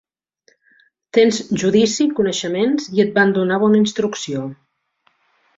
Tens judici, coneixements i et van donar bona instrucció